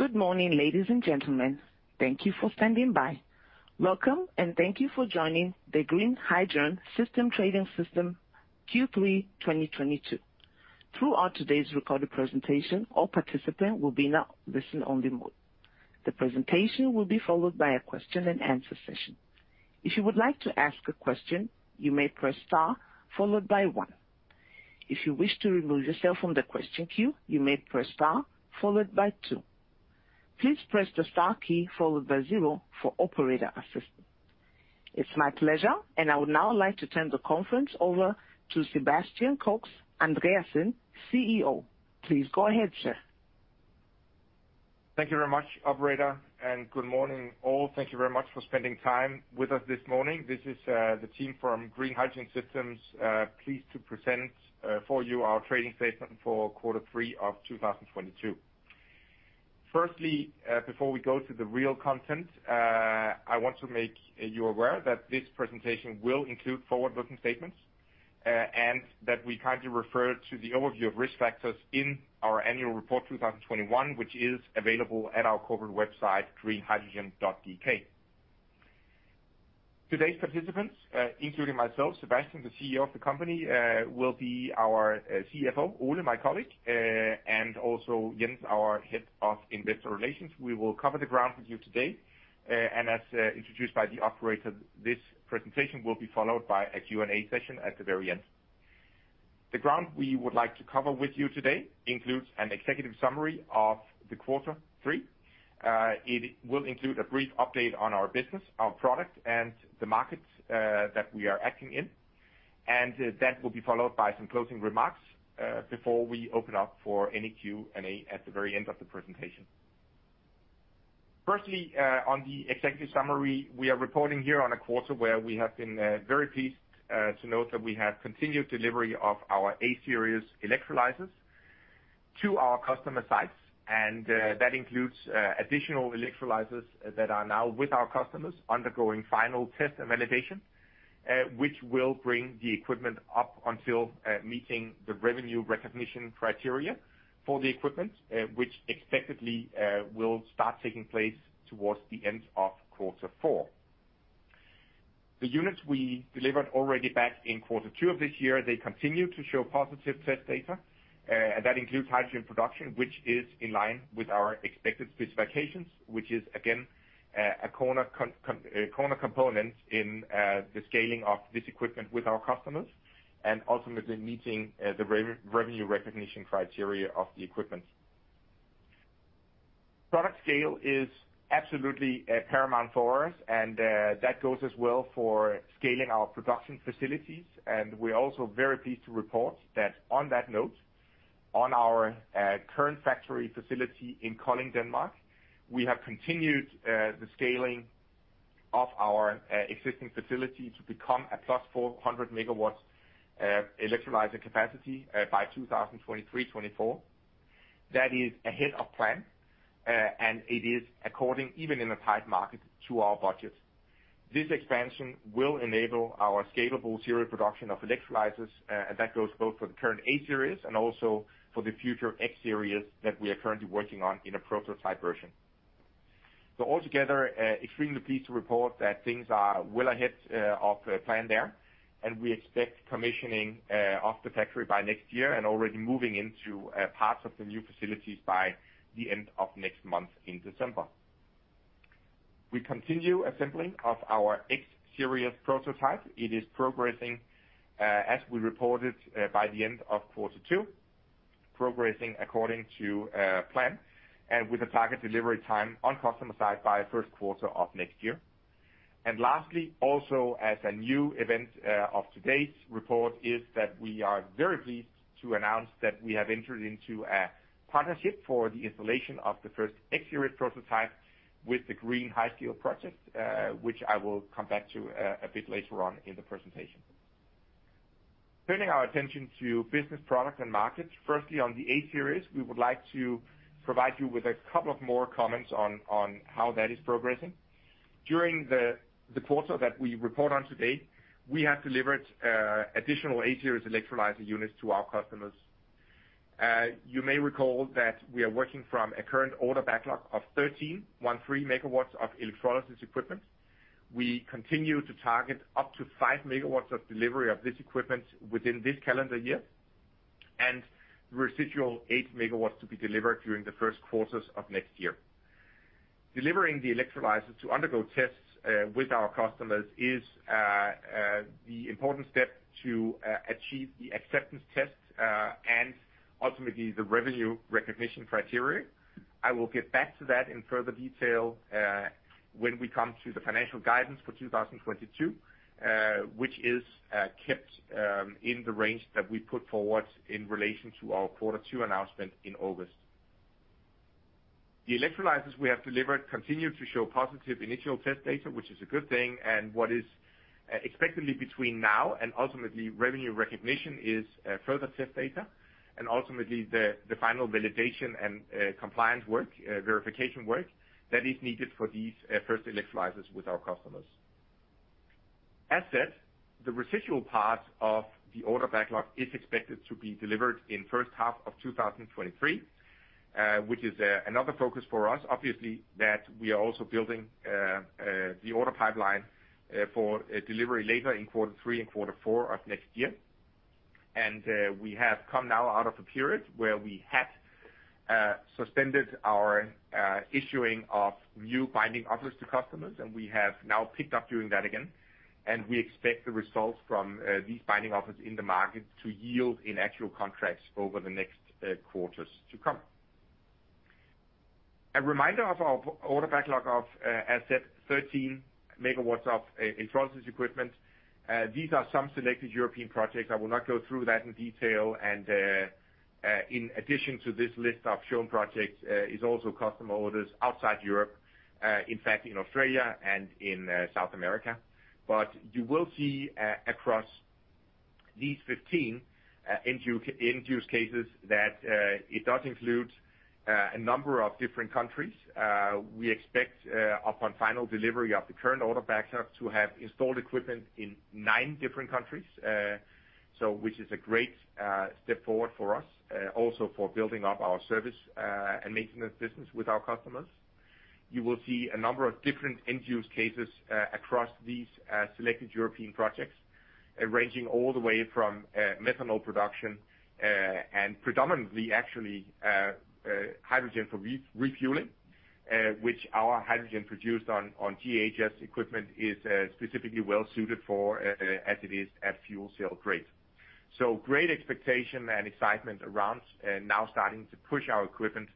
Good morning, ladies and gentlemen. Thank you for standing by. Welcome and thank you for joining the Green Hydrogen Systems Trading Statement Q3 2022. Throughout today's recorded presentation, all participants will be in a listen-only mode. The presentation will be followed by a question-and-answer session. If you would like to ask a question, you may press star followed by one. If you wish to remove yourself from the question queue, you may press star followed by two. Please press the star key followed by zero for operator assistance. It's my pleasure, and I would now like to turn the conference over to Sebastian Koks Andreassen, CEO. Please go ahead, sir. Thank you very much, operator, and good morning, all. Thank you very much for spending time with us this morning. This is the team from Green Hydrogen Systems, pleased to present for you our trading statement for quarter 3 of 2022. Firstly, before we go to the real content, I want to make you aware that this presentation will include forward-looking statements, and that we kindly refer to the overview of risk factors in our annual report 2021, which is available at our corporate website, greenhydrogen.dk. Today's participants, including myself, Sebastian, the CEO of the company, will be our CFO, Ole, my colleague, and also Jens, our head of investor relations. We will cover the ground with you today. As introduced by the operator, this presentation will be followed by a Q&A session at the very end. The ground we would like to cover with you today includes an executive summary of quarter three. It will include a brief update on our business, our product, and the markets that we are active in. That will be followed by some closing remarks before we open up for any Q&A at the very end of the presentation. Firstly, on the executive summary, we are reporting here on a quarter where we have been very pleased to note that we have continued delivery of our A-Series electrolyzers to our customer sites. That includes additional electrolyzers that are now with our customers undergoing final test and validation, which will bring the equipment up until meeting the revenue recognition criteria for the equipment, which expectedly will start taking place towards the end of quarter four. The units we delivered already back in quarter two of this year, they continue to show positive test data, and that includes hydrogen production, which is in line with our expected specifications, which is again a corner component in the scaling of this equipment with our customers and ultimately meeting the revenue recognition criteria of the equipment. Product scale is absolutely paramount for us, and that goes as well for scaling our production facilities. We're also very pleased to report that on that note, on our current factory facility in Kolding, Denmark, we have continued the scaling of our existing facility to become a plus 400 MW electrolyzer capacity by 2023-2024. That is ahead of plan and it is according to our budget, even in a tight market. This expansion will enable our scalable serial production of electrolyzers and that goes both for the current A-Series and also for the future X-Series that we are currently working on in a prototype version. Altogether, extremely pleased to report that things are well ahead of plan there, and we expect commissioning of the factory by next year and already moving into parts of the new facilities by the end of next month in December. We continue assembling of our X-Series prototype. It is progressing, as we reported, by the end of quarter two, progressing according to plan and with a target delivery time on customer side by first quarter of next year. Lastly, also as a new event of today's report is that we are very pleased to announce that we have entered into a partnership for the installation of the first X-Series prototype with the GreenHyScale project, which I will come back to a bit later on in the presentation. Turning our attention to business products and markets. Firstly, on the A-Series, we would like to provide you with a couple of more comments on how that is progressing. During the quarter that we report on today, we have delivered additional A-Series electrolyzer units to our customers. You may recall that we are working from a current order backlog of 1,313 megawatts of electrolysis equipment. We continue to target up to 5 megawatts of delivery of this equipment within this calendar year, and residual 8 megawatts to be delivered during the first quarters of next year. Delivering the electrolyzers to undergo tests with our customers is the important step to achieve the acceptance test and ultimately the revenue recognition criteria. I will get back to that in further detail when we come to the financial guidance for 2022, which is kept in the range that we put forward in relation to our quarter two announcement in August. The electrolyzers we have delivered continue to show positive initial test data, which is a good thing, and what is expectedly between now and ultimately revenue recognition is further test data and ultimately the final validation and compliance work, verification work that is needed for these first electrolyzers with our customers. As said, the residual part of the order backlog is expected to be delivered in first half of 2023, which is another focus for us, obviously, that we are also building the order pipeline for a delivery later in quarter three and quarter four of next year. We have come now out of a period where we had suspended our issuing of new binding offers to customers, and we have now picked up doing that again. We expect the results from these binding offers in the market to yield in actual contracts over the next quarters to come. A reminder of our order backlog of, as said, 13 megawatts of electrolysis equipment. These are some selected European projects. I will not go through that in detail. In addition to this list of shown projects, is also customer orders outside Europe, in fact, in Australia and in South America. You will see across these 15 end-to-end use cases that it does include a number of different countries. We expect upon final delivery of the current order backlog to have installed equipment in nine different countries. Which is a great step forward for us, also for building up our service and maintenance business with our customers. You will see a number of different end use cases across these selected European projects, ranging all the way from methanol production, and predominantly actually, hydrogen for refueling, which our hydrogen produced on GHS equipment is specifically well suited for, as it is at fuel-cell grade. Great expectation and excitement around now starting to push our equipment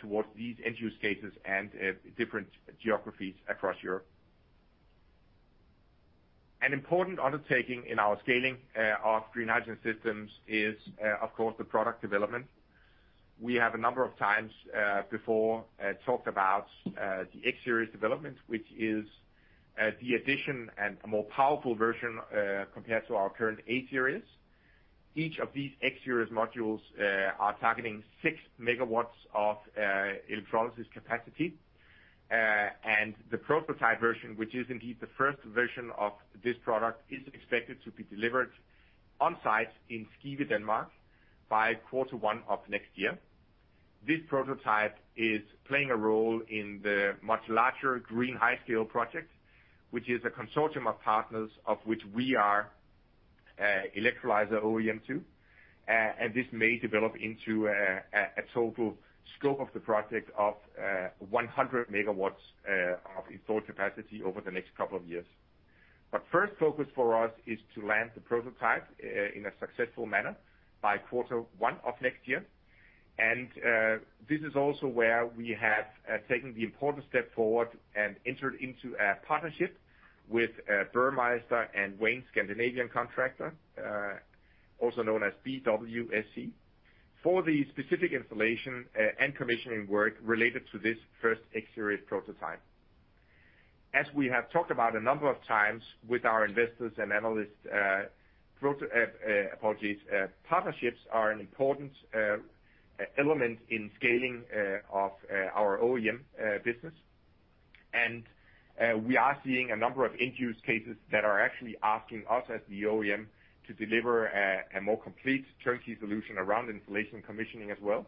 towards these end use cases and different geographies across Europe. An important undertaking in our scaling of Green Hydrogen Systems is, of course, the product development. We have a number of times before talked about the X-Series development, which is the addition and a more powerful version compared to our current A-Series. Each of these X-Series modules are targeting 6 MW of electrolysis capacity. The prototype version, which is indeed the first version of this product, is expected to be delivered on site in Skive, Denmark, by quarter one of next year. This prototype is playing a role in the much larger GreenHyScale project, which is a consortium of partners of which we are electrolyzer OEM to. This may develop into a total scope of the project of 100 MW of installed capacity over the next couple of years. First focus for us is to land the prototype in a successful manner by quarter one of next year. This is also where we have taken the important step forward and entered into a partnership with Burmeister & Wain Scandinavian Contractor, also known as BWSC, for the specific installation and commissioning work related to this first X-Series prototype. As we have talked about a number of times with our investors and analysts, partnerships are an important element in scaling of our OEM business. We are seeing a number of end use cases that are actually asking us as the OEM to deliver a more complete turnkey solution around installation commissioning as well.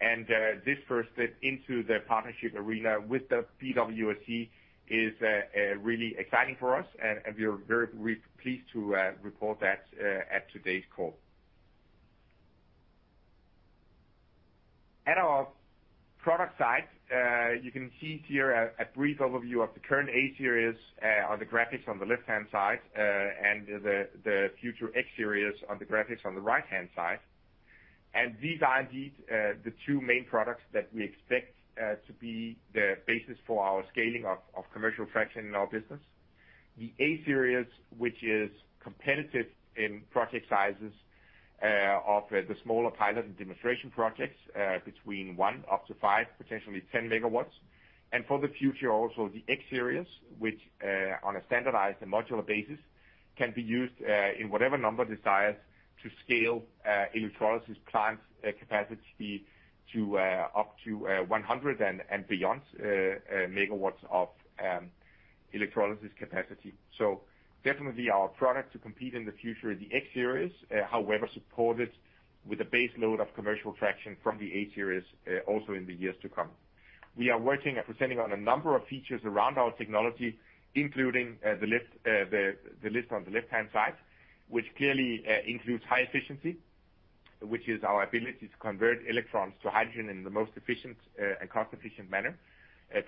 This first step into the partnership arena with the BWSC is really exciting for us, and we are very pleased to report that at today's call. At our product side, you can see here a brief overview of the current A-Series on the graphics on the left-hand side, and the future X-Series on the graphics on the right-hand side. These are indeed the two main products that we expect to be the basis for our scaling of commercial traction in our business. The A-Series, which is competitive in project sizes of the smaller pilot and demonstration projects, between 1 up to 5, potentially 10 megawatts. For the future also, the X-Series, which on a standardized and modular basis can be used in whatever number desired to scale electrolysis plant capacity to up to 100 and beyond megawatts of electrolysis capacity. Definitely our product to compete in the future is the X-Series, however, supported with a base load of commercial traction from the A-Series also in the years to come. We are working on presenting a number of features around our technology, including the list on the left-hand side, which clearly includes high efficiency, which is our ability to convert electrons to hydrogen in the most efficient and cost-efficient manner,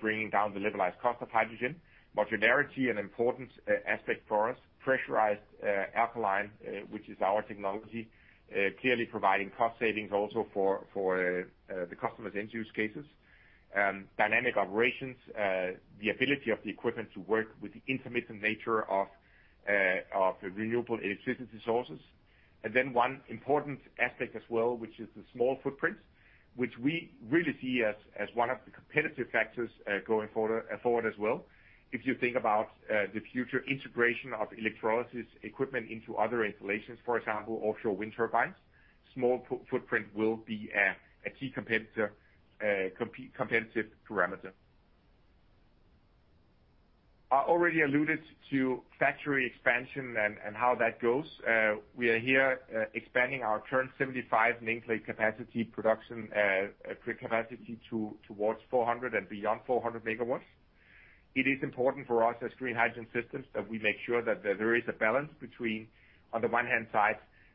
bringing down the Levelized Cost of Hydrogen. Modularity, an important aspect for us. Pressurized alkaline, which is our technology, clearly providing cost savings also for the customer's end use cases. Dynamic operations, the ability of the equipment to work with the intermittent nature of renewable electricity sources. One important aspect as well, which is the small footprint, which we really see as one of the competitive factors, going forward as well. If you think about the future integration of electrolysis equipment into other installations, for example, offshore wind turbines, small footprint will be a key competitive parameter. I already alluded to factory expansion and how that goes. We are here expanding our current 75 nameplate capacity production capacity towards 400 and beyond 400 MW. It is important for us as Green Hydrogen Systems that we make sure that there is a balance between, on the one hand,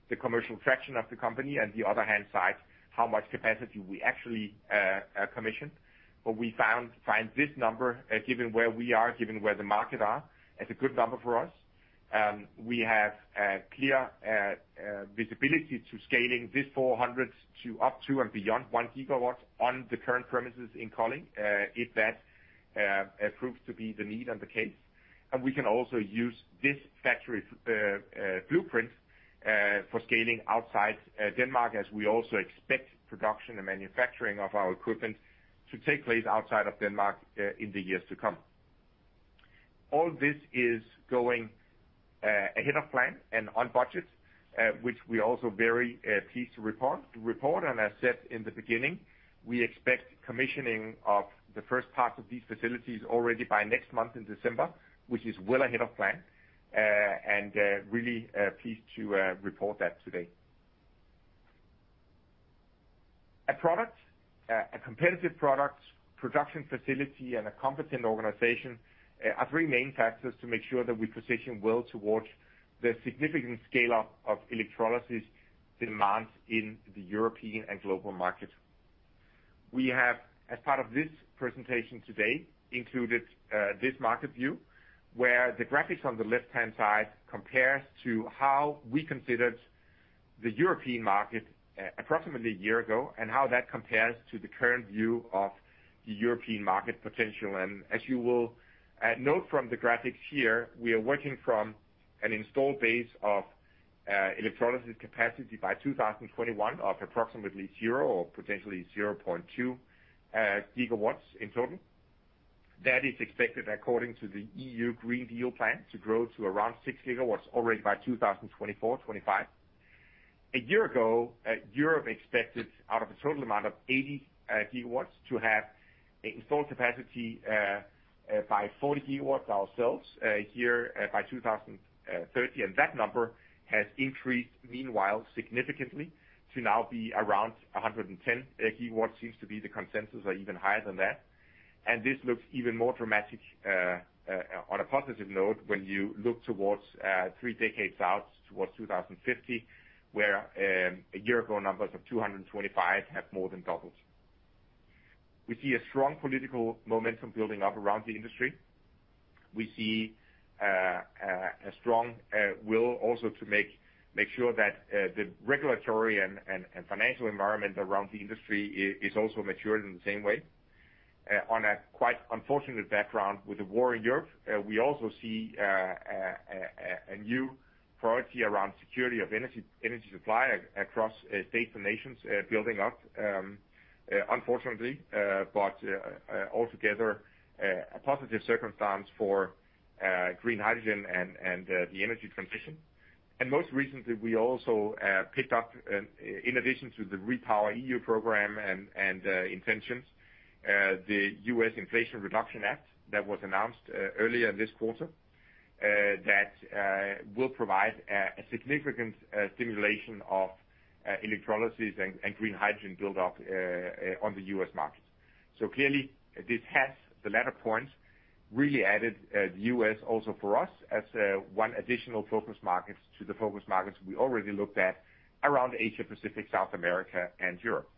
the commercial traction of the company, and the other hand, how much capacity we actually commission. We find this number, given where we are, given where the market are, as a good number for us. We have clear visibility to scaling this 400 to up to and beyond 1 gigawatts on the current premises in Kolding, if that proves to be the need and the case. We can also use this factory blueprint for scaling outside Denmark, as we also expect production and manufacturing of our equipment to take place outside of Denmark in the years to come. All this is going ahead of plan and on budget, which we're also very pleased to report. As said in the beginning, we expect commissioning of the first part of these facilities already by next month in December, which is well ahead of plan. Really pleased to report that today. A competitive product, production facility, and a competent organization are three main factors to make sure that we position well towards the significant scale up of electrolysis demands in the European and global market. We have, as part of this presentation today, included this market view, where the graphics on the left-hand side compares to how we considered the European market approximately a year ago, and how that compares to the current view of the European market potential. As you will note from the graphics here, we are working from an installed base of electrolysis capacity by 2021 of approximately zero or potentially 0.2 gigawatts in total. That is expected according to the European Green Deal, to grow to around 6 gigawatts already by 2024-25. A year ago, Europe expected out of a total amount of 80 gigawatts to have installed capacity by 40 gigawatts ourselves here by 2030. That number has increased meanwhile significantly to now be around 110 gigawatts, seems to be the consensus, or even higher than that. This looks even more dramatic on a positive note, when you look towards three decades out towards 2050, where a year ago, numbers of 225 have more than doubled. We see a strong political momentum building up around the industry. We see a strong will also to make sure that the regulatory and financial environment around the industry is also matured in the same way. On a quite unfortunate background with the war in Europe, we also see a new priority around security of energy supply across states and nations building up, unfortunately. Altogether, a positive circumstance for green hydrogen and the energy transition. Most recently, we also picked up, in addition to the REPowerEU program and intentions, the US Inflation Reduction Act that was announced earlier this quarter, that will provide a significant stimulation of electrolysis and green hydrogen build up on the US market. Clearly this has, the latter point, really added the US also for us as one additional focus market to the focus markets we already looked at around Asia-Pacific, South America and Europe.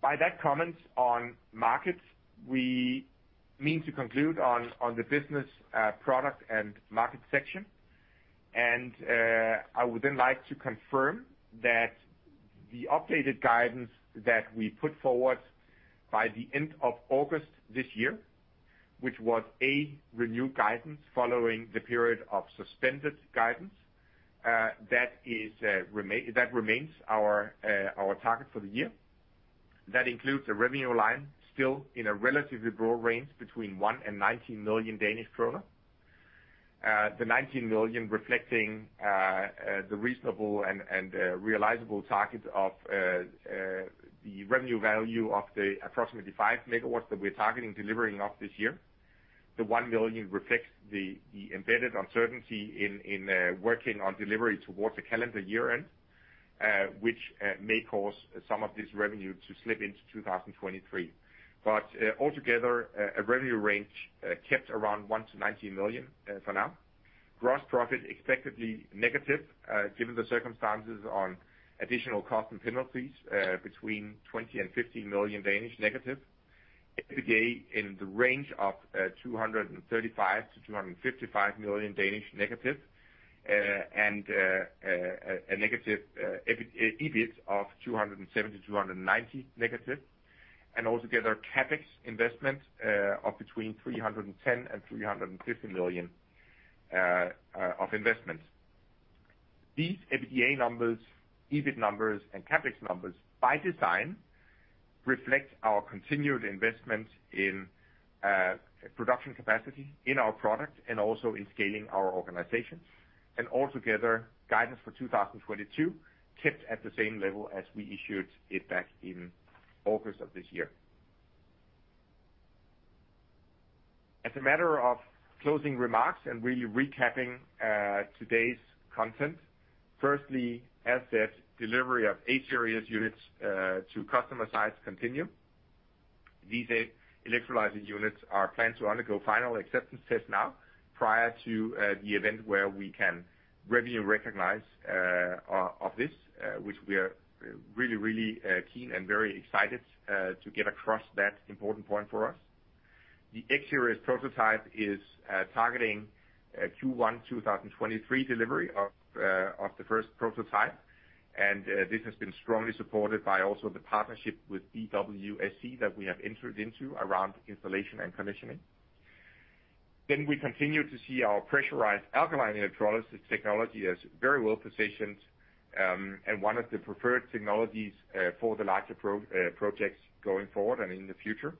By that comment on markets, we mean to conclude on the business, product and market section. I would then like to confirm that the updated guidance that we put forward by the end of August this year, which was a renewed guidance following the period of suspended guidance, that remains our target for the year. That includes a revenue line still in a relatively broad range between 1 million and 19 million Danish kroner. The 19 million reflecting the reasonable and realizable target of the revenue value of the approximately 5 MW that we're targeting delivering of this year. The 1 million reflects the embedded uncertainty in working on delivery towards the calendar year end, which may cause some of this revenue to slip into 2023. Altogether, a revenue range kept around 1 million-19 million, for now. Gross profit expectedly negative, given the circumstances on additional costs and penalties, between 20 million and 50 million negative. EBITDA in the range of 235 million to 255 million negative. A negative EBIT of 270 million to 290 million negative. Altogether, CapEx investment of between 310 million and 350 million of investment. These EBITDA numbers, EBIT numbers, and CapEx numbers by design reflect our continued investment in production capacity in our product and also in scaling our organizations. Altogether, guidance for 2022 kept at the same level as we issued it back in August of this year. As a matter of closing remarks and really recapping, today's content. Firstly, as said, delivery of 8 A-Series units to customer sites continue. These 8 electrolyzer units are planned to undergo final acceptance tests now prior to the event where we can revenue recognize of this, which we are really keen and very excited to get across that important point for us. The X-Series prototype is targeting Q1 2023 delivery of the first prototype. This has been strongly supported by also the partnership with BWSC that we have entered into around installation and commissioning. We continue to see our pressurized alkaline electrolysis technology as very well positioned and one of the preferred technologies for the larger projects going forward and in the future.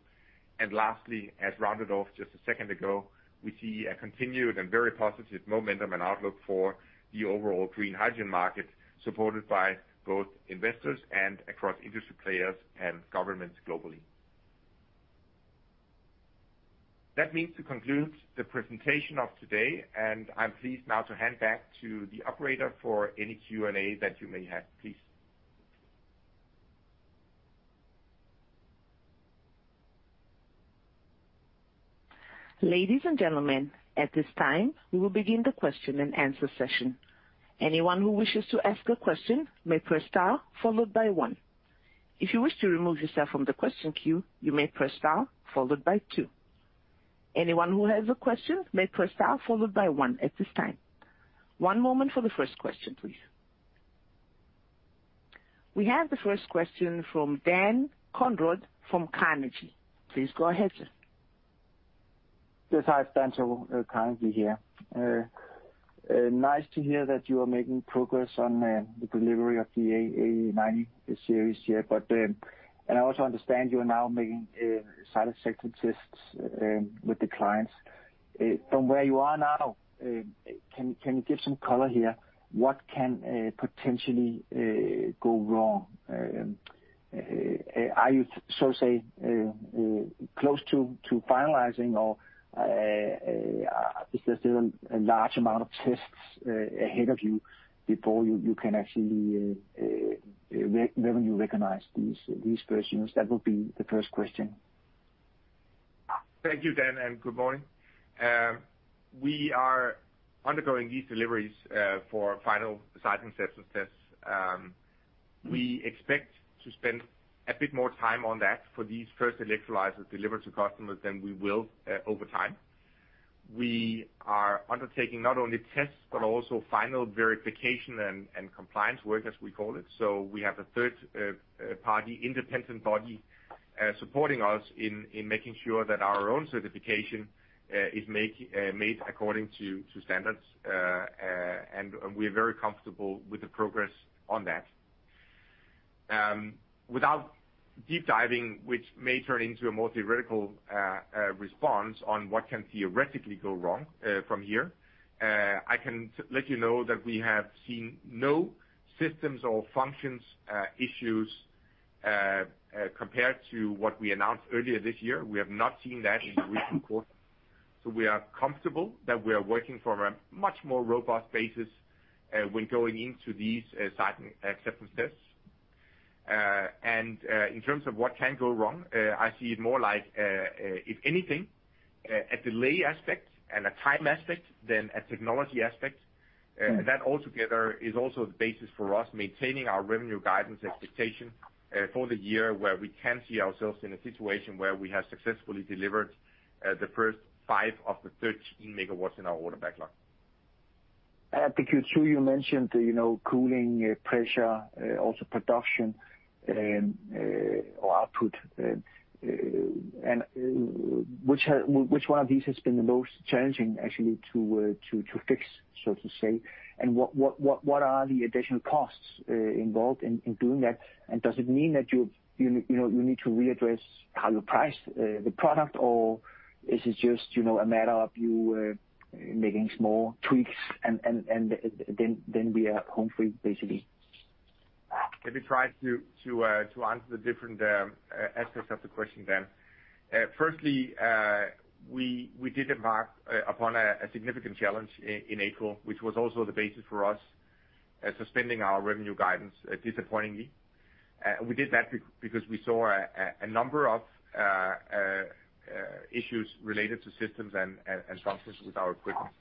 Lastly, as rounded off just a second ago, we see a continued and very positive momentum and outlook for the overall green hydrogen market, supported by both investors and across industry players and governments globally. That means to conclude the presentation of today, and I'm pleased now to hand back to the operator for any Q&A that you may have, please. Ladies and gentlemen, at this time, we will begin the question-and-answer session. Anyone who wishes to ask a question may press star followed by one. If you wish to remove yourself from the question queue, you may press star followed by two. Anyone who has a question may press star followed by one at this time. One moment for the first question, please. We have the first question from Dan Conrad from Carnegie. Please go ahead, sir. Yes, hi, Dan from Carnegie here. Nice to hear that you are making progress on the delivery of the Aeries here. I also understand you are now making site acceptance tests with the clients. From where you are now, can you give some color here? What can potentially go wrong? Are you so say close to finalizing or is there still a large amount of tests ahead of you before you can actually revenue recognize these versions? That would be the first question. Thank you, Dan, and good morning. We are undergoing these deliveries for final site acceptance tests. We expect to spend a bit more time on that for these first electrolyzers delivered to customers than we will over time. We are undertaking not only tests but also final verification and compliance work, as we call it. We have a third-party independent party supporting us in making sure that our own certification is made according to standards. We're very comfortable with the progress on that. Without deep diving, which may turn into a more theoretical response on what can theoretically go wrong from here, I can let you know that we have seen no systems or functions issues compared to what we announced earlier this year. We have not seen that in the recent quarter. We are comfortable that we are working from a much more robust basis when going into these site acceptance tests. In terms of what can go wrong, I see it more like, if anything, a delay aspect and a time aspect than a technology aspect. Mm-hmm. That altogether is also the basis for us maintaining our revenue guidance expectation, for the year where we can see ourselves in a situation where we have successfully delivered, the first 5 of the 13 megawatts in our order backlog. At the Q2, you mentioned, you know, cooling, pressure, also production, or output. Which one of these has been the most challenging actually to fix, so to say? What are the additional costs involved in doing that? Does it mean that you know you need to readdress how you price the product, or is it just you know a matter of you making small tweaks and then we are home free, basically? Let me try to answer the different aspects of the question then. Firstly, we did embark upon a significant challenge in April, which was also the basis for us suspending our revenue guidance disappointingly. We did that because we saw a number of issues related to systems and functions with our equipment.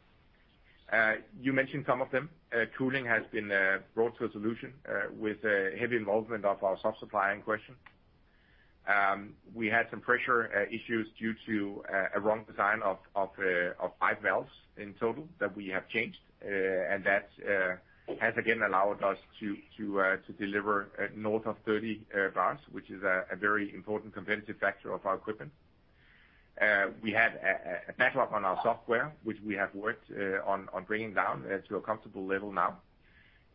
You mentioned some of them. Cooling has been brought to a solution with a heavy involvement of our sub-supplier in question. We had some pressure issues due to a wrong design of pipe valves in total that we have changed, and that has again allowed us to deliver north of 30 bars, which is a very important competitive factor of our equipment. We had a backlog on our software, which we have worked on bringing down to a comfortable level now.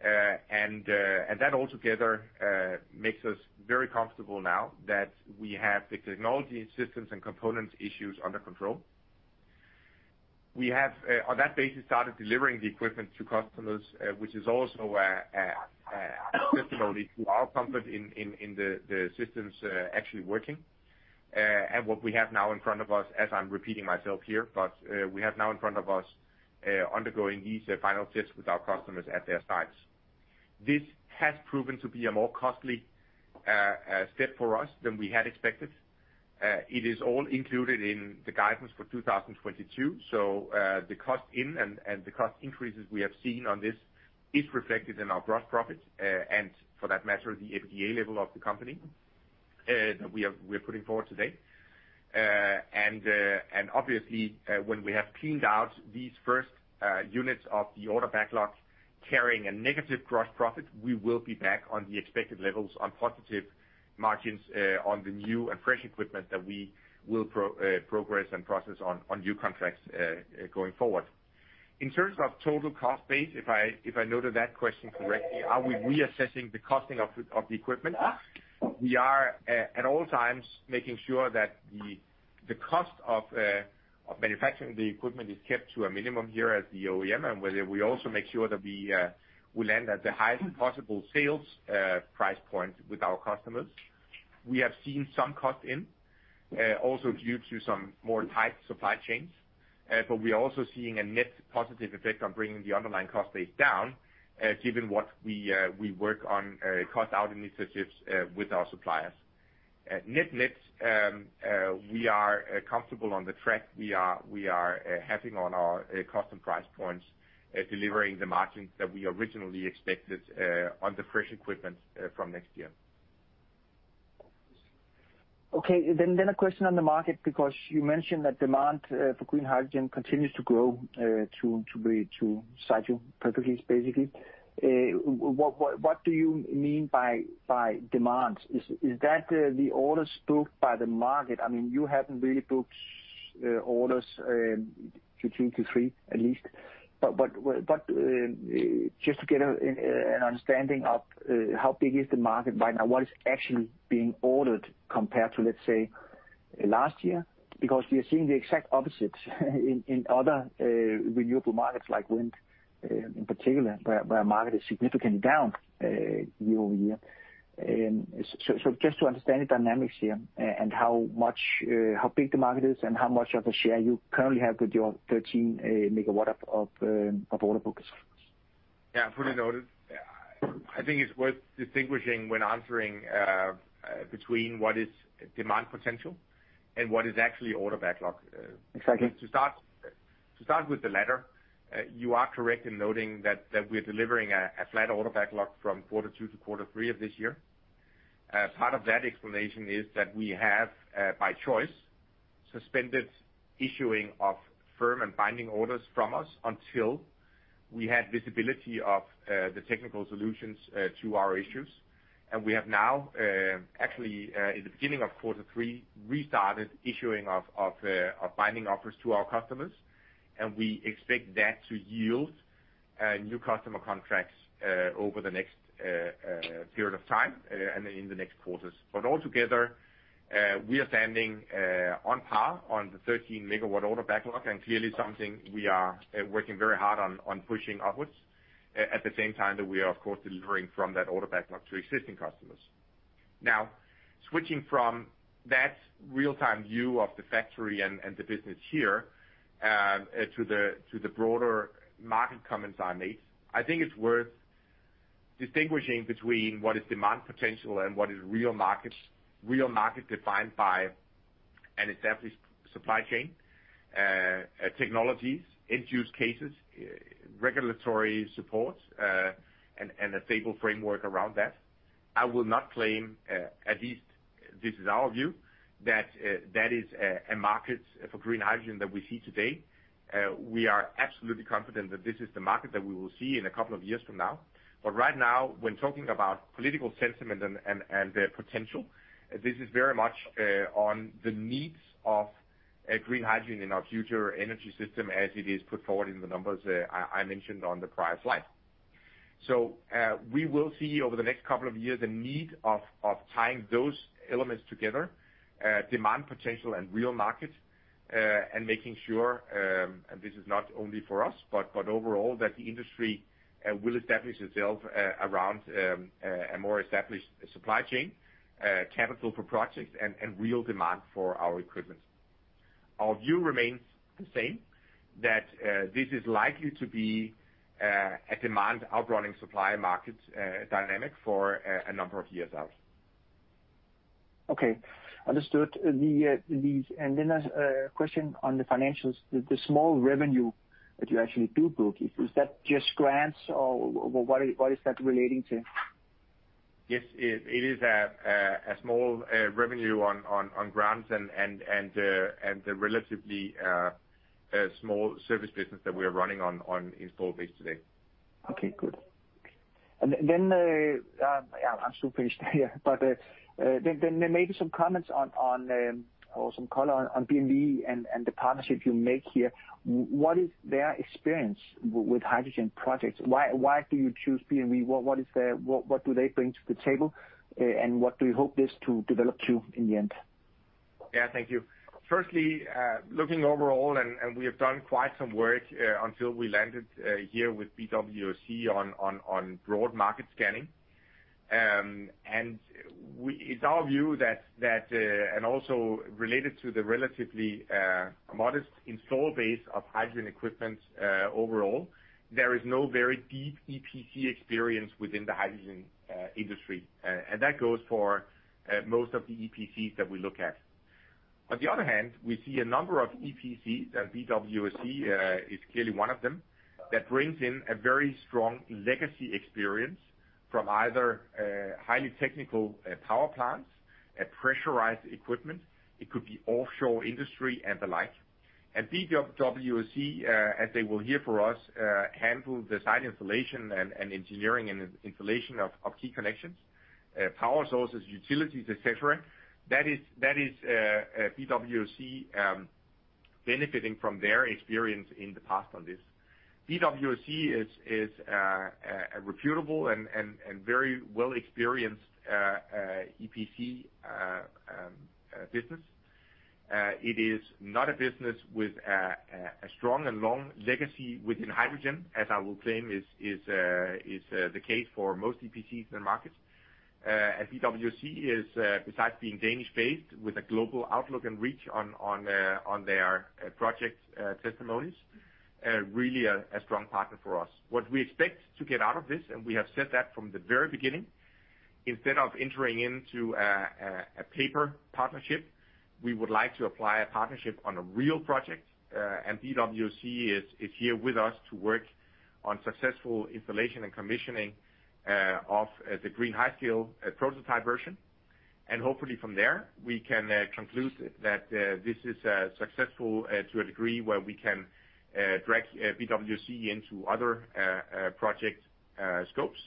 That altogether makes us very comfortable now that we have the technology systems and components issues under control. We have on that basis started delivering the equipment to customers, which is also a testimony to our comfort in the systems actually working. What we have now in front of us, as I'm repeating myself here, is undergoing these final tests with our customers at their sites. This has proven to be a more costly step for us than we had expected. It is all included in the guidance for 2022. The cost increases we have seen on this is reflected in our gross profits, and for that matter, the EBITDA level of the company, that we are putting forward today. Obviously, when we have cleaned out these first units of the order backlog carrying a negative gross profit, we will be back on the expected levels on positive margins, on the new and fresh equipment that we will progress and process on new contracts, going forward. In terms of total cost base, if I noted that question correctly, are we reassessing the costing of the equipment? We are at all times making sure that the cost of manufacturing the equipment is kept to a minimum here at the OEM, and we also make sure that we land at the highest possible sales price point with our customers. We have seen some cost also due to some more tight supply chains. We are also seeing a net positive effect on bringing the underlying cost base down, given what we work on, cost out initiatives, with our suppliers. At net/net, we are comfortable on the track we are having on our customer price points, delivering the margins that we originally expected, on the fresh equipment, from next year. A question on the market, because you mentioned that demand for green hydrogen continues to grow, to be, to cite you perfectly, basically. What do you mean by demand? Is that the orders booked by the market? I mean, you haven't really booked orders, Q2, Q3 at least. Just to get an understanding of how big is the market right now? What is actually being ordered compared to, let's say, last year? Because we are seeing the exact opposite in other renewable markets, like wind, in particular, where market is significantly down year-over-year. Just to understand the dynamics here and how big the market is and how much of a share you currently have with your 13 megawatt of order bookings. Yeah, fully noted. I think it's worth distinguishing when answering between what is demand potential and what is actually order backlog. Exactly. To start with the latter, you are correct in noting that we're delivering a flat order backlog from quarter two to quarter three of this year. Part of that explanation is that we have by choice suspended issuing of firm and binding orders from us until we had visibility of the technical solutions to our issues. We have now actually in the beginning of quarter three restarted issuing of binding offers to our customers, and we expect that to yield new customer contracts over the next period of time and in the next quarters. Altogether, we are standing on par on the 13 MW order backlog, and clearly something we are working very hard on pushing upwards at the same time that we are, of course, delivering from that order backlog to existing customers. Now, switching from that real-time view of the factory and the broader market comments I made, I think it's worth distinguishing between what is demand potential and what is real markets. Real market defined by an established supply chain, technologies, end-use cases, regulatory support, and a stable framework around that. I will not claim, at least this is our view, that that is a market for green hydrogen that we see today. We are absolutely confident that this is the market that we will see in a couple of years from now. Right now, when talking about political sentiment and the potential, this is very much on the needs of green hydrogen in our future energy system as it is put forward in the numbers I mentioned on the prior slide. We will see over the next couple of years a need of tying those elements together, demand potential and real market, and making sure, and this is not only for us, but overall, that the industry will establish itself around a more established supply chain, capital for projects and real demand for our equipment. Our view remains the same, that this is likely to be a demand outrunning supply market dynamic for a number of years out. Okay. Understood. A question on the financials. The small revenue that you actually do book, is that just grants or what is that relating to? Yes. It is a small revenue on grants and a relatively small service business that we are running on installed base today. Okay, good. I'm still finished here. They made some comments or some color on B&W and the partnership you make here. What is their experience with hydrogen projects? Why do you choose B&W? What do they bring to the table, and what do you hope this to develop to in the end? Yeah, thank you. Firstly, looking overall, and we have done quite some work until we landed here with BWSC on broad market scanning. It's our view that and also related to the relatively modest installed base of hydrogen equipment overall, there is no very deep EPC experience within the hydrogen industry. That goes for most of the EPCs that we look at. On the other hand, we see a number of EPCs, and BWSC is clearly one of them, that brings in a very strong legacy experience from either highly technical power plants, pressurized equipment, it could be offshore industry and the like. BWSC, as they will here for us, handle the site installation and engineering and installation of key connections, power sources, utilities, et cetera. That is BWSC benefiting from their experience in the past on this. BWSC is a reputable and very well experienced EPC business. It is not a business with a strong and long legacy within hydrogen, as I will claim is the case for most EPCs in the market. BWSC is, besides being Danish-based with a global outlook and reach on their project testimonies, really a strong partner for us. What we expect to get out of this, and we have said that from the very beginning, instead of entering into a paper partnership, we would like to apply a partnership on a real project. BWSC is here with us to work on successful installation and commissioning of the green HyField prototype version. Hopefully from there, we can conclude that this is successful to a degree where we can draw BWSC into other project scopes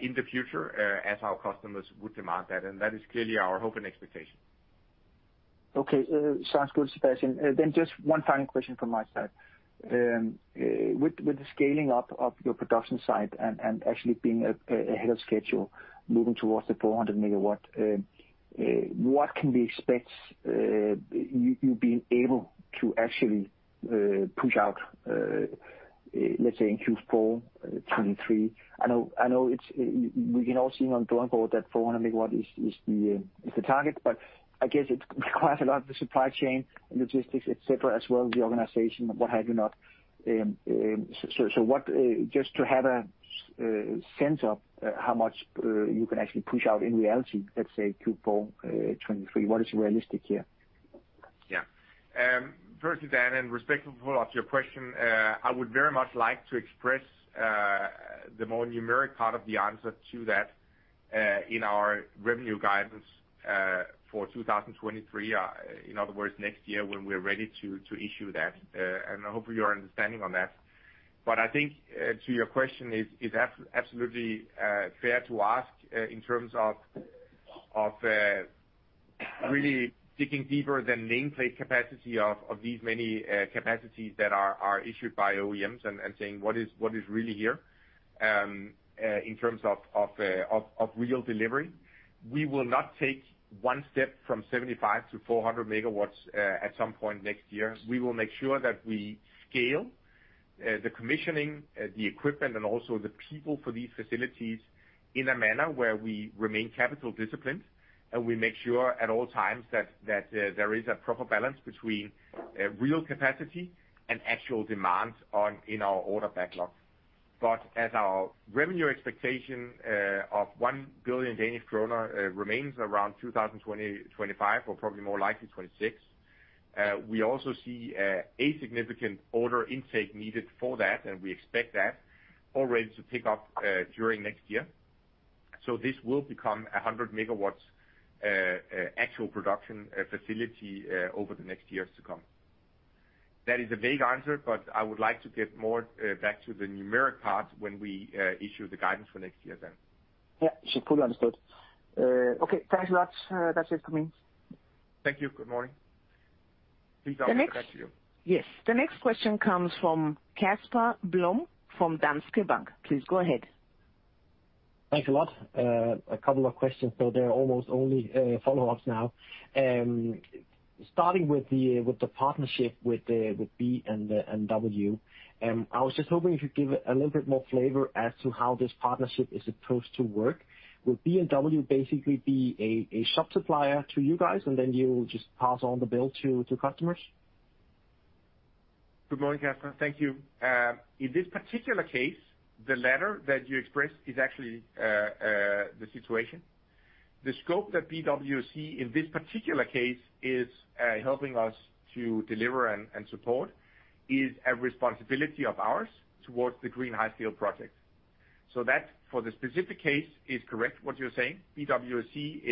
in the future as our customers would demand that. That is clearly our hope and expectation. Okay. Sounds good, Sebastian. Just one final question from my side. With the scaling up of your production site and actually being ahead of schedule moving towards the 400 megawatt, what can we expect you being able to actually push out, let's say in Q4 2023? I know it's. We can all see on the drawing board that 400 megawatt is the target, but I guess it requires a lot of the supply chain, logistics, et cetera, as well as the organization, what have you not. Just to have a sense of how much you can actually push out in reality, let's say Q4 2023. What is realistic here? Yeah. First to that, and respectful follow-up to your question, I would very much like to express the more numeric part of the answer to that in our revenue guidance for 2023, in other words, next year, when we're ready to issue that. I hope you are understanding on that. I think your question is absolutely fair to ask in terms of really digging deeper than nameplate capacity of these many capacities that are issued by OEMs and saying, "What is really here?" In terms of real delivery. We will not take one step from 75 to 400 megawatts at some point next year. We will make sure that we scale the commissioning the equipment, and also the people for these facilities in a manner where we remain capital disciplined, and we make sure at all times that there is a proper balance between real capacity and actual demand in our order backlog. As our revenue expectation of 1 billion Danish kroner remains around 2020-25, or probably more likely 2026, we also see a significant order intake needed for that, and we expect that already to pick up during next year. This will become a 100 megawatts actual production facility over the next years to come. That is a vague answer, but I would like to get more back to the numeric part when we issue the guidance for next year then. Yeah, should fully understood. Okay. Thanks a lot. That's it from me. Thank you. Good morning. The next- Lasse Midtgaard, I'll get back to you. Yes. The next question comes from Kasper Blom, from Berenberg. Please go ahead. Thanks a lot. A couple of questions, so they're almost only follow-ups now. Starting with the partnership with B&W. I was just hoping if you'd give a little bit more flavor as to how this partnership is supposed to work. Will B&W basically be a shop supplier to you guys, and then you just pass on the bill to customers? Good morning, Kasper. Thank you. In this particular case, the latter that you expressed is actually the situation. The scope that BWSC in this particular case is helping us to deliver and support is a responsibility of ours towards the GreenHyScale project. That, for the specific case, is correct what you're saying. BWSC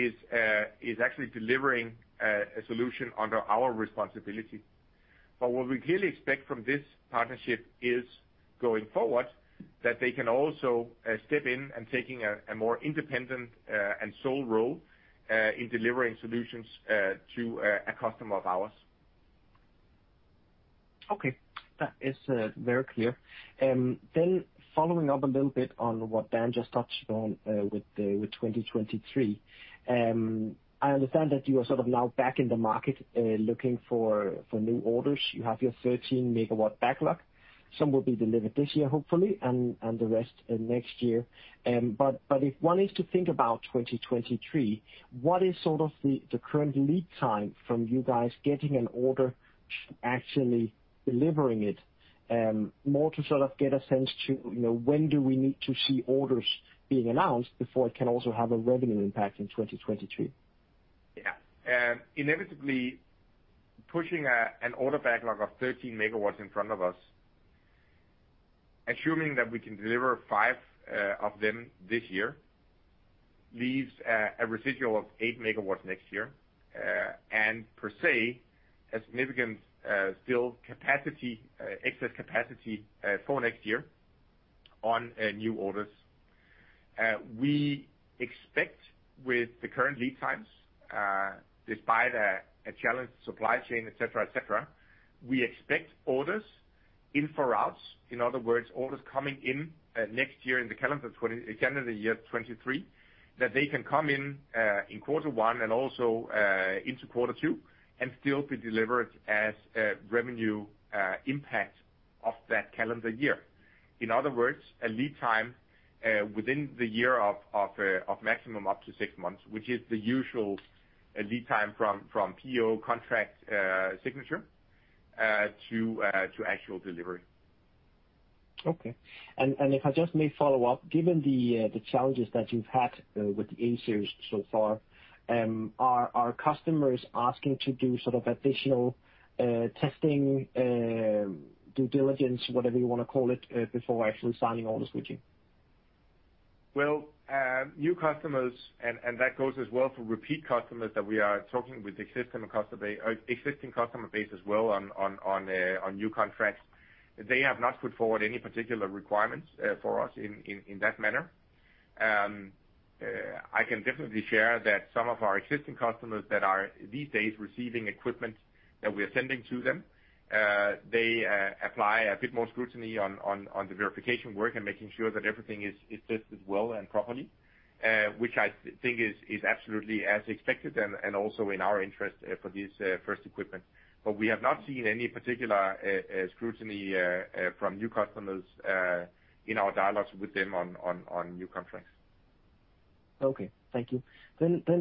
is actually delivering a solution under our responsibility. What we clearly expect from this partnership is going forward, that they can also step in and taking a more independent and sole role in delivering solutions to a customer of ours. Okay. That is very clear. Following up a little bit on what Dan just touched on, with 2023. I understand that you are sort of now back in the market, looking for new orders. You have your 13 MW backlog. Some will be delivered this year, hopefully, and the rest next year. If one is to think about 2023, what is sort of the current lead time from you guys getting an order to actually delivering it? More to sort of get a sense as to, you know, when do we need to see orders being announced before it can also have a revenue impact in 2023? Yeah. Inevitably, pushing an order backlog of 13 MW in front of us, assuming that we can deliver 5 of them this year, leaves a residual of 8 MW next year. Per se, a significant excess capacity for next year on new orders. We expect with the current lead times, despite a challenged supply chain, et cetera, we expect orders in 2023. In other words, orders coming in next year in the calendar year 2023, that they can come in in quarter one and also into quarter two, and still be delivered as revenue impact of that calendar year. In other words, a lead time within the year of maximum up to six months, which is the usual lead time from PO contract signature to actual delivery. If I just may follow up, given the challenges that you've had with the A-Series so far, are customers asking to do sort of additional testing, due diligence, whatever you wanna call it, before actually signing orders with you? New customers, and that goes as well for repeat customers that we are talking with existing customer base as well on new contracts. They have not put forward any particular requirements for us in that manner. I can definitely share that some of our existing customers that are these days receiving equipment that we're sending to them apply a bit more scrutiny on the verification work and making sure that everything is tested well and properly, which I think is absolutely as expected and also in our interest for this first equipment. We have not seen any particular scrutiny from new customers in our dialogues with them on new contracts. Okay. Thank you.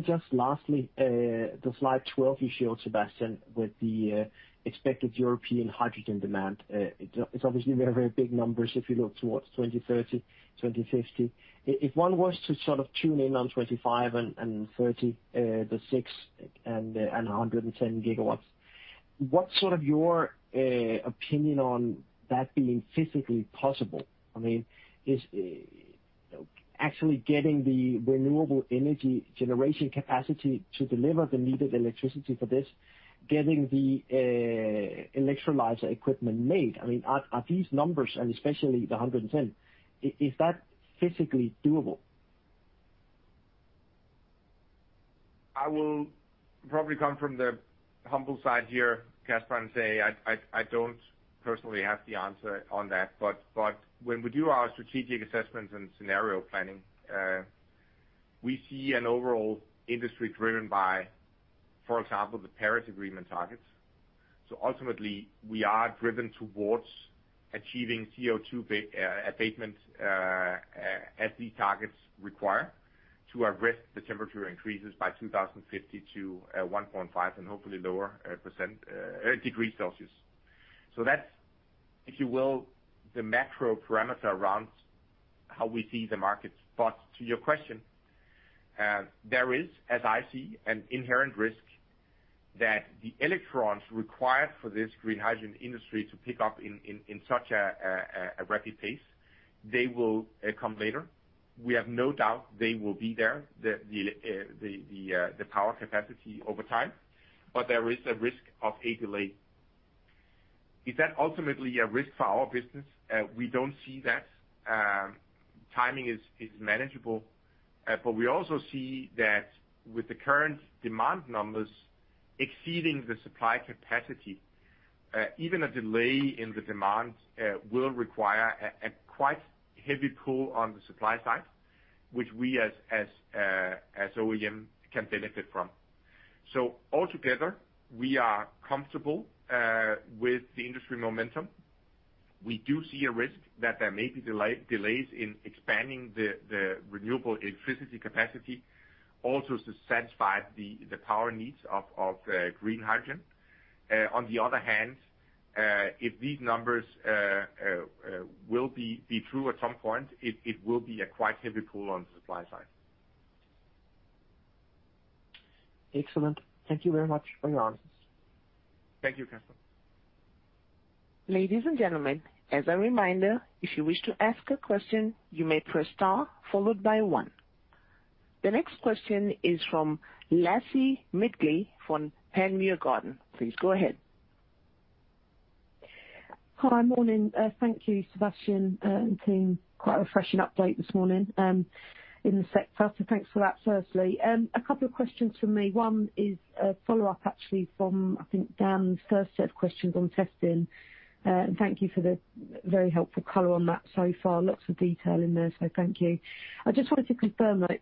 Just lastly, the slide 12 you showed, Sebastian, with the expected European hydrogen demand. It's obviously very big numbers if you look towards 2030, 2050. If one was to sort of tune in on 2025 and 30, the 6 and 110 gigawatts, what's sort of your opinion on that being physically possible? I mean, is actually getting the renewable energy generation capacity to deliver the needed electricity for this, getting the electrolyzer equipment made. I mean, are these numbers, and especially the 110, is that physically doable? I will probably come from the humble side here, Kasper, and say I don't personally have the answer on that. When we do our strategic assessments and scenario planning, we see an overall industry driven by, for example, the Paris Agreement targets. Ultimately, we are driven towards achieving CO2 abatement as these targets require to arrest the temperature increases by 2050 to 1.5 and hopefully lower degrees Celsius. That's, if you will, the macro parameter around how we see the market. To your question, there is, as I see, an inherent risk that the electrons required for this green hydrogen industry to pick up in such a rapid pace, they will come later. We have no doubt they will be there, the power capacity over time, but there is a risk of a delay. Is that ultimately a risk for our business? We don't see that. Timing is manageable. We also see that with the current demand numbers exceeding the supply capacity, even a delay in the demand will require a quite heavy pull on the supply side, which we as OEM can benefit from. Altogether, we are comfortable with the industry momentum. We do see a risk that there may be delays in expanding the renewable electricity capacity also to satisfy the power needs of green hydrogen. On the other hand, if these numbers will be true at some point, it will be a quite heavy pull on the supply side. Excellent. Thank you very much for your answers. Thank you, Kasper. Ladies and gentlemen, as a reminder, if you wish to ask a question, you may press star followed by one. The next question is from Lasse Midtgaard from Panmure Gordon. Please go ahead. Hi. Morning. Thank you, Sebastian, and team. Quite a refreshing update this morning in the sector, so thanks for that firstly. A couple of questions from me. One is a follow-up actually from, I think, Dan's first set of questions on testing. Thank you for the very helpful color on that so far. Lots of detail in there, so thank you. I just wanted to confirm that,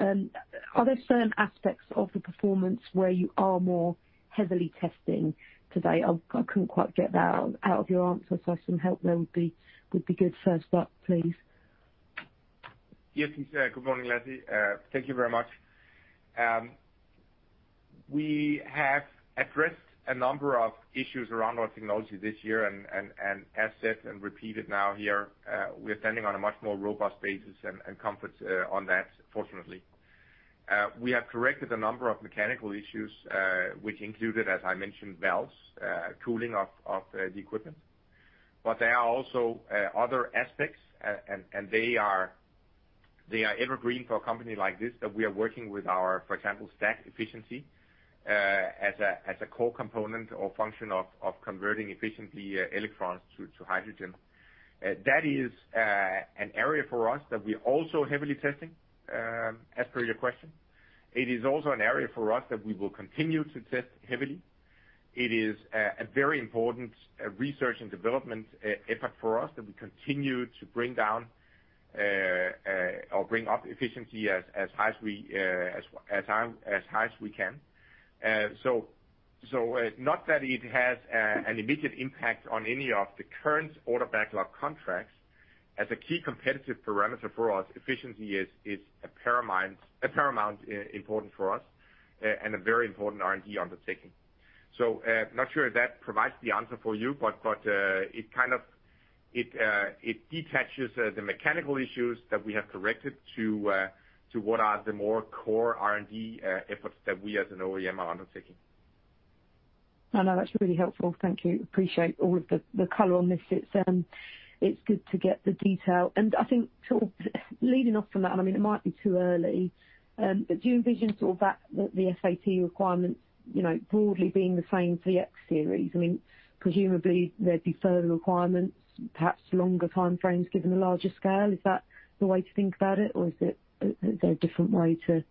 are there certain aspects of the performance where you are more heavily testing today? I couldn't quite get that out of your answer, so some help there would be good first up, please. Yes. Good morning, Lasse. Thank you very much. We have addressed a number of issues around our technology this year and, as said and repeated now here, we're standing on a much more robust basis and comfort on that, fortunately. We have corrected a number of mechanical issues, which included, as I mentioned, valves, cooling of the equipment. There are also other aspects, and they are evergreen for a company like this, that we are working with our, for example, stack efficiency, as a core component or function of converting efficiently electrons to hydrogen. That is an area for us that we're also heavily testing, as per your question. It is also an area for us that we will continue to test heavily. It is a very important research and development effort for us that we continue to bring up efficiency as high as we can. Not that it has an immediate impact on any of the current order backlog contracts. As a key competitive parameter for us, efficiency is a paramount importance for us and a very important R&D undertaking. Not sure if that provides the answer for you, but it kind of detaches the mechanical issues that we have corrected to what are the more core R&D efforts that we as an OEM are undertaking. No, no, that's really helpful. Thank you. Appreciate all of the color on this. It's good to get the detail. I think sort of leading off from that, I mean, it might be too early, but do you envision sort of that, the FAT requirement, you know, broadly being the same for the X-Series? I mean, presumably there'd be further requirements, perhaps longer time frames, given the larger scale. Is that the way to think about it? Or is it? Is there a different way to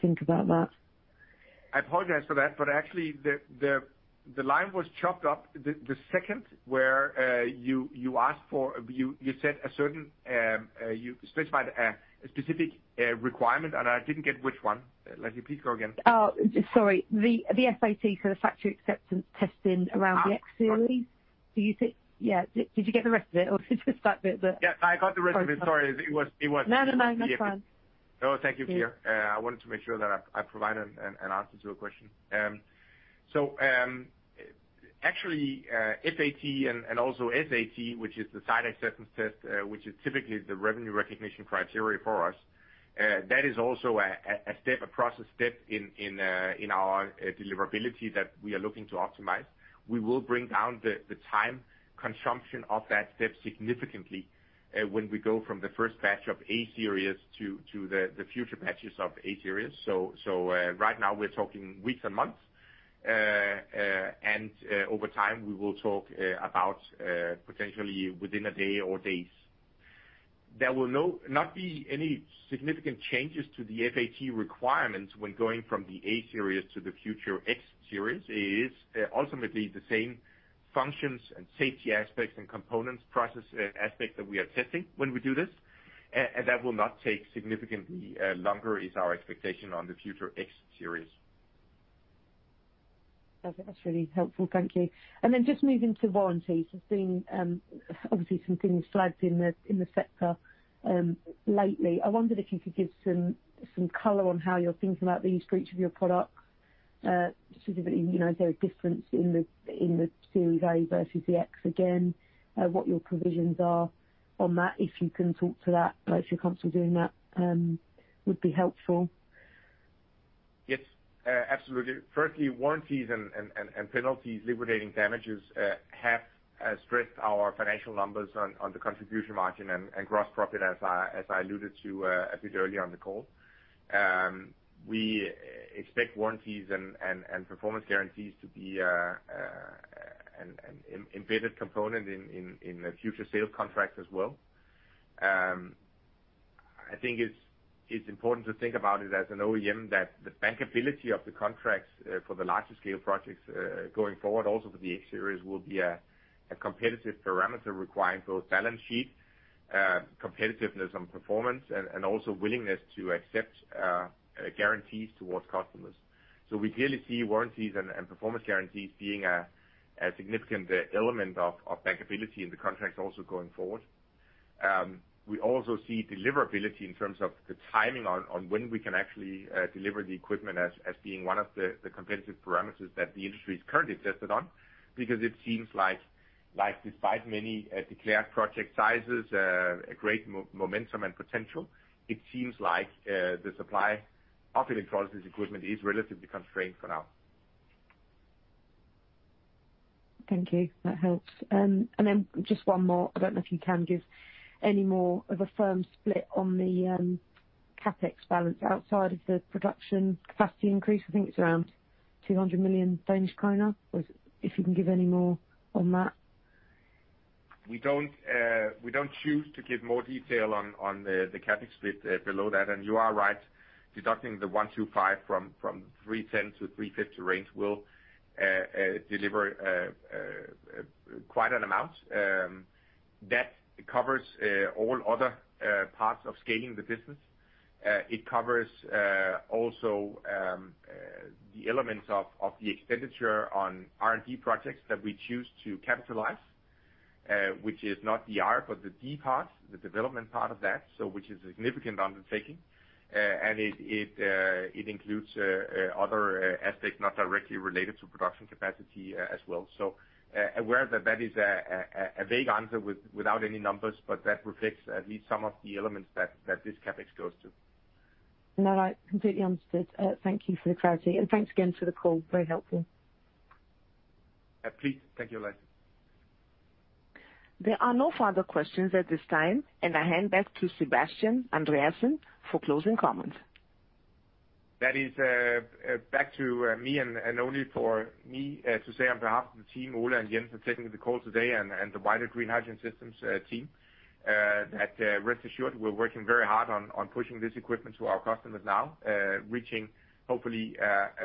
think about that? I apologize for that, but actually the line was chopped up the second where you asked for. You said a certain you specified a specific requirement, and I didn't get which one. Lasse, please go again. Oh, sorry. The FAT, so the factory acceptance testing around the X-Series. Do you think? Yeah. Did you get the rest of it or just that bit that- Yeah, I got the rest of it. Sorry. No, no. That's fine. No, thank you. I wanted to make sure that I provided an answer to a question. Actually, FAT and also SAT, which is the site acceptance test, which is typically the revenue recognition criteria for us, that is also a step, a process step in our deliverability that we are looking to optimize. We will bring down the time consumption of that step significantly, when we go from the first batch of A-Series to the future batches of A-Series. Right now we're talking weeks and months. Over time, we will talk about potentially within a day or days. There will not be any significant changes to the FAT requirements when going from the A-Series to the future X-Series. It is ultimately the same functions and safety aspects and components, process, aspects that we are testing when we do this. That will not take significantly longer, is our expectation on the future X-Series. That's really helpful. Thank you. Just moving to warranties. There's been obviously some things flagged in the sector lately. I wondered if you could give some color on how you're thinking about these for each of your products. Specifically, you know, is there a difference in the series A versus the X, again, what your provisions are on that? If you can talk to that, if you're comfortable doing that, would be helpful. Yes, absolutely. Firstly, warranties and penalties, liquidated damages, have stressed our financial numbers on the contribution margin and gross profit, as I alluded to a bit earlier on the call. We expect warranties and performance guarantees to be an embedded component in the future sales contracts as well. I think it's important to think about it as an OEM, that the bankability of the contracts for the larger scale projects going forward also for the X-Series will be a competitive parameter requiring both balance sheet competitiveness on performance, and also willingness to accept guarantees towards customers. We clearly see warranties and performance guarantees being a significant element of bankability in the contracts also going forward. We also see deliverability in terms of the timing on when we can actually deliver the equipment as being one of the competitive parameters that the industry is currently tested on, because it seems like despite many declared project sizes, a great momentum and potential, it seems like the supply of electrolysis equipment is relatively constrained for now. Thank you. That helps. Just one more. I don't know if you can give any more of a firm split on the CapEx balance outside of the production capacity increase. I think it's around 200 million Danish kroner. If you can give any more on that. We don't choose to give more detail on the CapEx split below that. You are right, deducting the 1-5 from the 310-350 range will deliver quite an amount that covers all other parts of scaling the business. It covers also the elements of the expenditure on R&D projects that we choose to capitalize, which is not the R, but the D part, the development part of that. Which is a significant undertaking, and it includes other aspects not directly related to production capacity as well. aware that that is a vague answer without any numbers, but that reflects at least some of the elements that this CapEx goes to. No, I completely understood. Thank you for the clarity. Thanks again for the call. Very helpful. Please. Thank you, Lasse. There are no further questions at this time, and I hand back to Sebastian Koks Andreassen for closing comments. That is back to me and only for me to say on behalf of the team, Ole and Jens, for taking the call today and the wider Green Hydrogen Systems team that rest assured we're working very hard on pushing this equipment to our customers now, reaching hopefully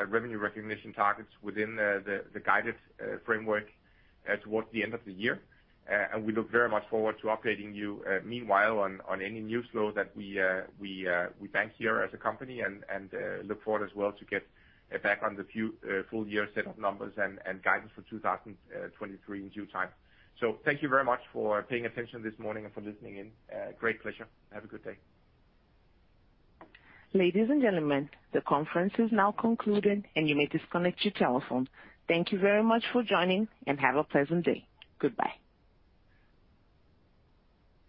revenue recognition targets within the guided framework towards the end of the year. We look very much forward to updating you meanwhile on any news flow that we have here as a company and look forward as well to get back on the Q4 full year set of numbers and guidance for 2023 in due time. Thank you very much for paying attention this morning and for listening in. Great pleasure. Have a good day. Ladies and gentlemen, the conference is now concluded and you may disconnect your telephone. Thank you very much for joining and have a pleasant day. Goodbye.